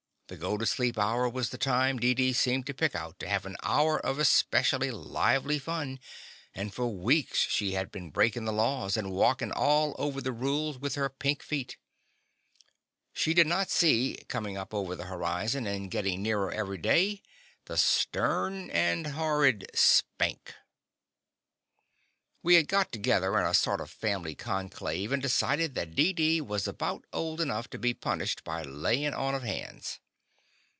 The go to sleep hour was the time Deedee seemed to pick out to have an hour of especial lively fun, and for weeks she had been breakin' the laws, and walk in' all over the rules with her pink The Confessions of a Daddy feet. She did not see, comin' up over the horizon, and gittin' nearer every day, the stern and horrid Spank! We had got together in a sort of family conclave and decided that Deedee was about old enough to be punished by layin' on of hands.